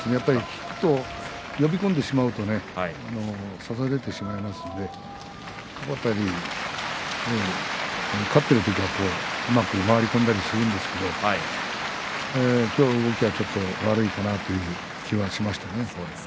引くと呼び込んでしまうと差されてしまうのでその辺り勝っている時はうまく回り込んだりするんですけれど今日の動きはちょっと悪いかなという気がしましたね。